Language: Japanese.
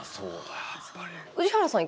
宇治原さん